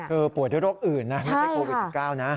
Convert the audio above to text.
ป่วยด้วยโรคอื่นนะไม่ใช่โควิด๑๙นะ